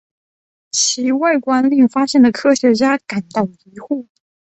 其外观令发现的科学家感到疑惑。